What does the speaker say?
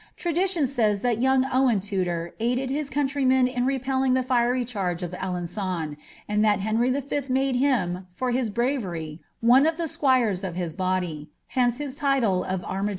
Tradition says that young Owen Tudor aided his countrymen in repelling ihe fiery charge of Alenqon, aiid thai Henry V. made him, for his bravery, one of the squires of his body;* hence his title of armiger.'